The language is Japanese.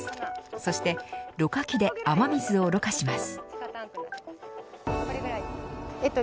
そして、ろ過器で雨水をろ過します。